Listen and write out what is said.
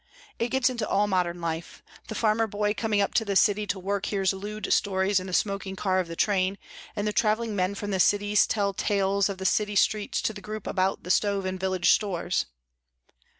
"It gets into all modern life. The farmer boy coming up to the city to work hears lewd stories in the smoking car of the train, and the travelling men from the cities tell tales of the city streets to the group about the stove in village stores."